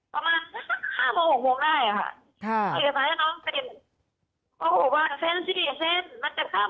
ประมาณ๕๖โมงได้ค่ะ